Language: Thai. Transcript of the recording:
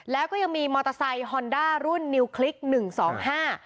แล้วก็ยังมีมอเตอร์ไซค์ฮอนด้ารุ่นนิวคลิกหนึ่งสองห้า